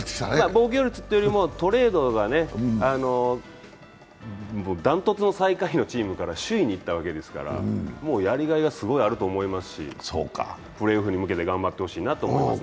防御率というよりも、トレードがね、断トツの最下位のチームから首位にいったわけですからやりがいがすごいあると思いますし、プレーオフに向けて頑張ってほしいと思いますね。